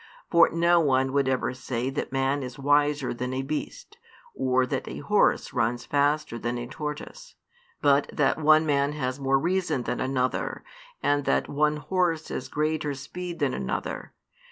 For no one would ever say that man is wiser than a beast, or that a horse runs faster than a tortoise; but that one man has more reason than another, and that one horse has greater speed than another.